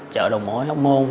chợ đồng mối hóc môn